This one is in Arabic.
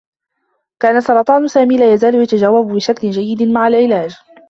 كان سرطان سامي لا يزال يتجاوب بشكل جيّد مع العلاج.